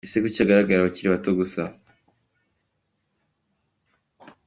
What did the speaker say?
Ese kuki hagaragara abakiri bato gusa ?